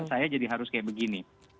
saya jadi harus kayak begini